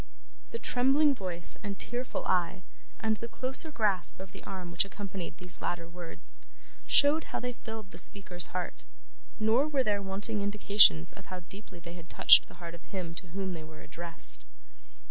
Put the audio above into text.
The trembling voice and tearful eye, and the closer grasp of the arm which accompanied these latter words, showed how they filled the speaker's heart; nor were there wanting indications of how deeply they had touched the heart of him to whom they were addressed.